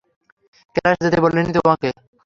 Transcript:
ক্লাসে যেতে বলিনি তোমাকে?